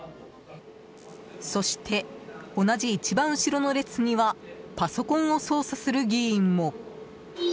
そして、同じ一番後ろの列にはパソコンを操作する議員も。